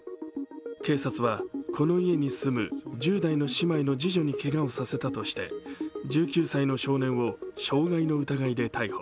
警察は、この家に住む１０代の姉妹の次女にけがをさせたとして１９歳の少年を傷害の疑いで逮捕。